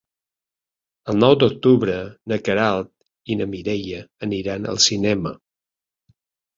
El nou d'octubre na Queralt i na Mireia aniran al cinema.